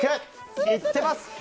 いってます！